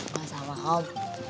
masa allah om